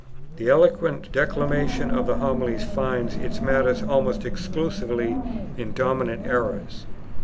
The eloquent declamation of the Homilies finds its matter almost exclusively in the dominant errors.